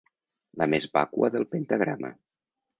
La més vàcua del pentagrama.